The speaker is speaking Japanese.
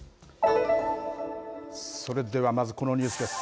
それではまずこのニュースです。